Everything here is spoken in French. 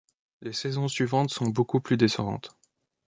Les saisons suivantes sont beaucoup plus décevantes.